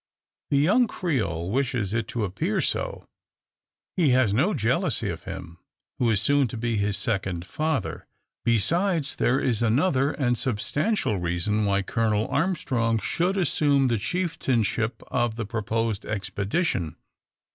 The young Creole wishes it to appear so. He has no jealousy of him, who is soon to be his second father. Besides, there is another and substantial reason why Colonel Armstrong should assume the chieftainship of the purposed expedition.